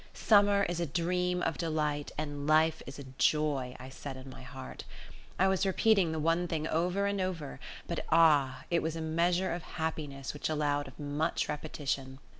Summer is a dream of delight and life is a joy, I said in my heart. I was repeating the one thing over and over but ah! it was a measure of happiness which allowed of much repetition.